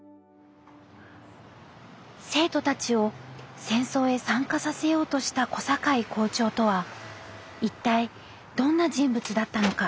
生徒たちを戦争へ参加させようとした小坂井校長とは一体どんな人物だったのか。